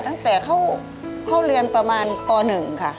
ตั้งแต่เข้าเรียนประมาณป๑ค่ะ